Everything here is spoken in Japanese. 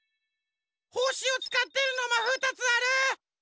ほしをつかってるのが２つある！